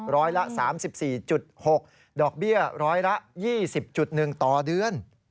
ร้อยละ๓๔๖ดอกเบี้ยร้อยละ๒๐๑ต่อเดือน